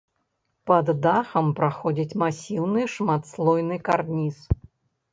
Пад дахам праходзіць масіўны шматслойны карніз.